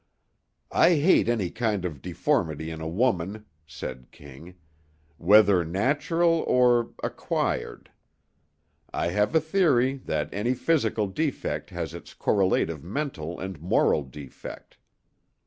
"I hate any kind of deformity in a woman," said King, "whether natural or—acquired. I have a theory that any physical defect has its correlative mental and moral defect."